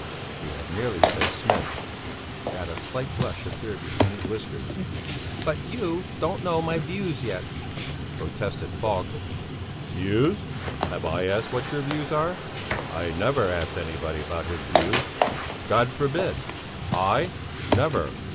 He had so nearly said Smith, that a slight blush appeared between his whiskers. "But you don't know my views yet," protested Falk. "Views? Have I asked what your views are? I never ask anybody about his views. God forbid! I? Never!"